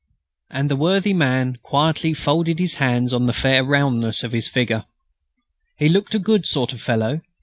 And the worthy man quietly folded his hands on the "fair roundness" of his figure. He looked a good sort of fellow.